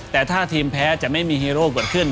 แต่ถ้าทีมแพ้จะไม่มีฮีโร่เกิดขึ้น